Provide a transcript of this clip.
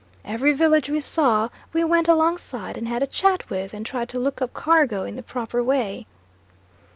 Every village we saw we went alongside and had a chat with, and tried to look up cargo in the proper way.